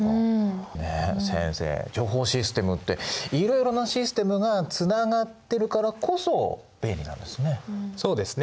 先生情報システムっていろいろなシステムがつながってるからこそ便利なんですね。